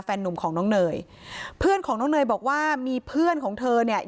นุ่มของน้องเนยเพื่อนของน้องเนยบอกว่ามีเพื่อนของเธอเนี่ย